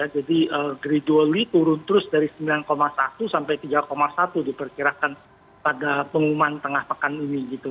gradually turun terus dari sembilan satu sampai tiga satu diperkirakan pada pengumuman tengah pekan ini gitu